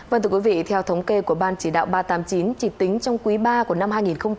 vâng thưa quý vị theo thống kê của ban chỉ đạo ba trăm tám mươi chín chỉ tính trong quý ba của năm hai nghìn hai mươi ba